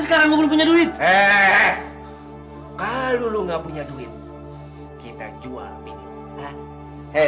sekarang punya duit kalau lu nggak punya duit kita jual nih eh jono jangankan hidup bangkanya aja gue mau jual bini kau